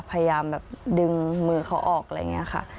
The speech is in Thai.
พยายามแบบดึงมือเขาออกอะไรอย่างนี้ค่ะ